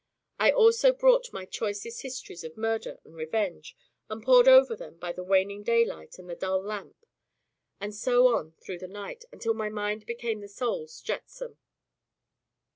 I also brought my choicest histories of murder and revenge, and pored over them by the waning daylight and the dull lamp, and so on through the night, until my mind became the soul's jetsam.